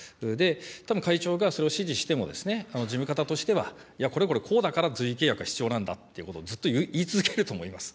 たぶん会長がそれを指示しても、事務方としては、いや、これこれこうだから随意契約が必要なんだということをずっと言い続けると思います。